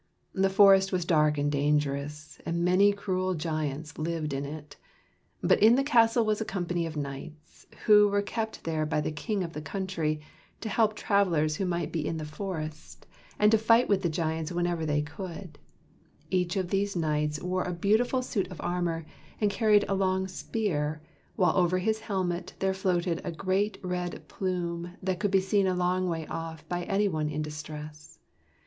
The forest was dark and dangerous, and many cruel giants lived in it; but in the castle was a company of knights, who were kept there by the king of the country, to help travelers who might be in the forest, and to fight with the giants whenever they could. Each of these knights wore a The Knights of the Silver Shield THE KNIGHTS OF THE SILVER SHIELD beautiful suit of armor and carried a long spear, while over his helmet there floated a great red plume that could be seen a long way off by any one in distress.